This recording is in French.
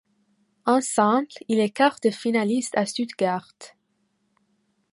En simple, il est quart de finaliste à Stuttgart.